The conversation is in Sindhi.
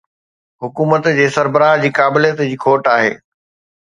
حڪومت جي سربراهه جي قابليت جي کوٽ آهي.